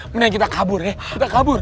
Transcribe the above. kemudian kita kabur ya kita kabur